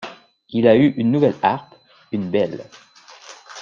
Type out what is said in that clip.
Il a eu une nouvelle harpe, une belle.